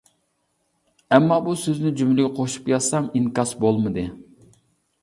ئەمما بۇ سۆزنى جۈملىگە قوشۇپ يازسام ئىنكاس بولمىدى.